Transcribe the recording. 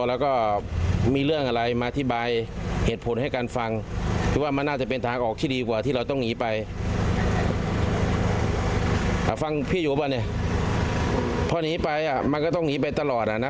หนีไปฟังพี่อยู่ป่ะเนี่ยพอหนีไปอ่ะมันก็ต้องหนีไปตลอดอ่ะนะ